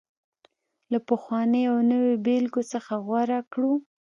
له پخوانيو او نویو بېلګو څخه غوره کړو